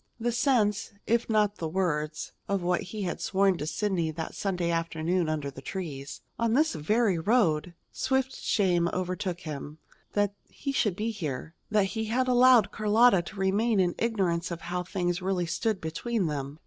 The sense, if not the words, of what he had sworn to Sidney that Sunday afternoon under the trees, on this very road! Swift shame overtook him, that he should be here, that he had allowed Carlotta to remain in ignorance of how things really stood between them.